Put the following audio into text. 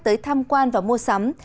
tới tham quan và mua sắm